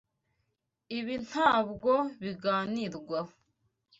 Ibi ntabwo biganirwaho.